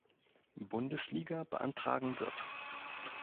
Bundesliga beantragen wird.